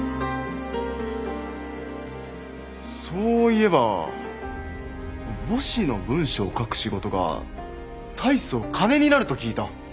そういえば墓誌の文章を書く仕事が大層金になると聞いた。